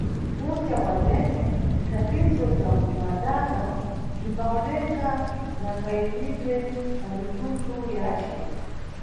Kunja kwabzene, bzithandizo bza ku mataka bzimbawoneka na kayimidwe ka mitunthu yace.